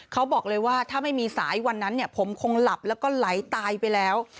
เขาบอกเลยว่าถ้าไม่มีสายวันนั้นเนี่ยผมคงหลับแล้วก็ไหลตายไปแล้ว